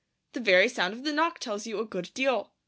The very sound of the knock tells you a good deal.